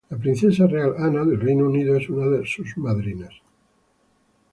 La Princesa Real Ana del Reino Unido es una de sus madrinas.